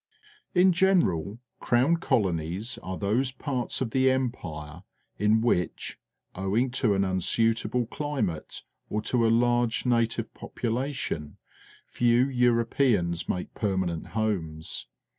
In general. Crown Colonies are those parts of the Empire in w^iich, owing to an unsuitable climate or to a large native population, few Europeans make permanent homes.